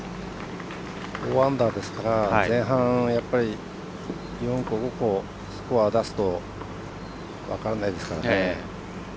４アンダーですから、前半４個、５個スコアを出すと分からないですからね。